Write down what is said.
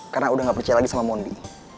karena udah gak percaya lagi sama mondi